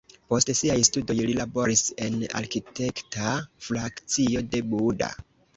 Post siaj studoj li laboris en arkitekta frakcio de Buda.